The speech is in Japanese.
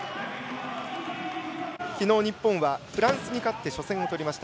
きのう、日本はフランスに勝って初戦をとりました。